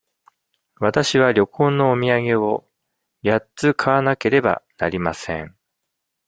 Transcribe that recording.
わたしは旅行のお土産を八つ買わなければなりません。